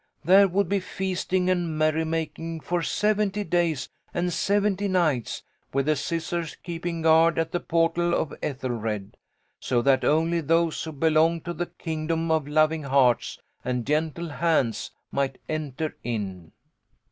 There would be feasting and merrymaking for seventy days and seventy nights, with the Scis sors keeping guard at the portal of Ethel red, so that only those who belong to the kingdom of loving hearts and gentle hands might enter in."